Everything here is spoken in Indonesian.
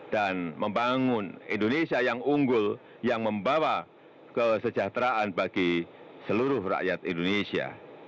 dan membangun indonesia yang unggul yang membawa kesejahteraan bagi seluruh rakyat indonesia